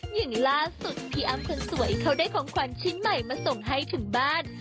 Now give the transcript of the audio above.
อย่างล่าสุดพี่อ้ำคนสวยเขาได้ของขวัญชิ้นใหม่มาส่งให้ถึงบ้าน